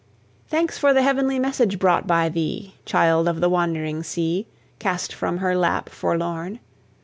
Thanks for the heavenly message brought by thee, Child of the wandering sea, Cast from her lap, forlorn!